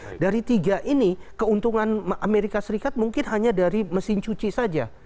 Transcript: jadi bagaimana mengapa bahwa bahwa bahwa ini keuntungan amerika serikat mungkin hanya dari mesin cuci saja